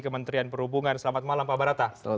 kementerian perhubungan selamat malam pak barata